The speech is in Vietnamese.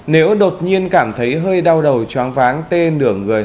nếu đột nhiên cảm thấy hơi đau đầu chóng váng tê nửa người